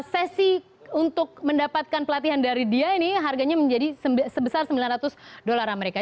sesi untuk mendapatkan pelatihan dari dia ini harganya menjadi sebesar sembilan ratus dolar amerika